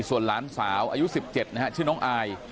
ส่วนหลานสาวอายุ๑๗นะฮะชื่อน้องอาย